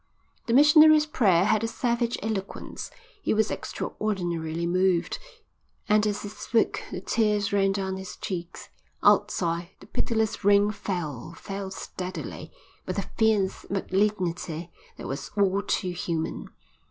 The missionary's prayer had a savage eloquence. He was extraordinarily moved, and as he spoke the tears ran down his cheeks. Outside, the pitiless rain fell, fell steadily, with a fierce malignity that was all too human.